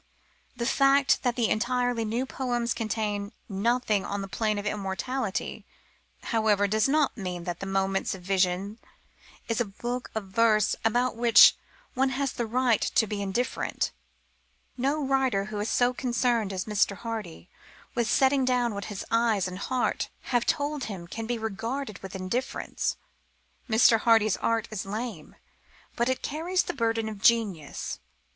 The fact that the entirely new poems contain nothing on the plane of immortality, however, does not mean that Moments of Vision is a book of verse about which one has the right to be indifferent. No writer who is so concerned as Mr. Hardy with setting down what his eyes and heart have told him can be regarded with indifference. Mr. Hardy's art is lame, but it carries the burden of genius.